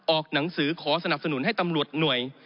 หนังสือขอสนับสนุนให้ตำรวจหน่วย